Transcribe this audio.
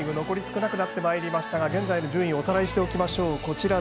残り少なくなってきましたが現在の順位をおさらいしておきましょう。